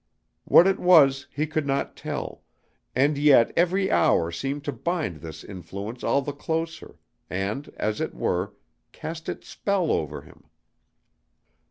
What it was he could not tell, and yet every hour seemed to bind this influence all the closer, and as it were, cast its spell over him.